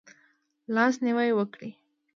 لاس نیوی وکړئ